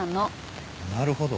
なるほど。